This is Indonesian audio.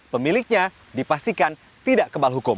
pemiliknya dipastikan tidak kebal hukum